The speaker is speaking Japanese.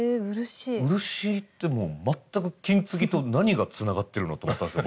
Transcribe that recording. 漆ってもう全く金継ぎと何がつながってるのと思ったんですよ。